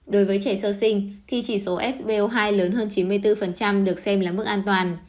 đối với trẻ sơ sinh thì chỉ số sbo hai lớn hơn chín mươi bốn được xem là mức an toàn